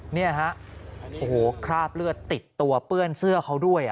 นี่ฮะโอ้โหคราบเลือดติดตัวเปื้อนเสื้อเขาด้วย